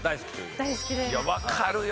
分かるよ！